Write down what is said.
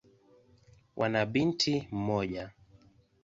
Wana binti mmoja.